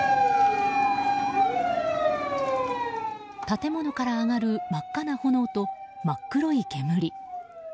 建物から上がる真っ赤な炎と、真っ黒い煙。